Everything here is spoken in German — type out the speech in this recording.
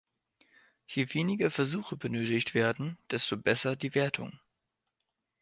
Je weniger Versuche benötigt werden, desto besser die Wertung.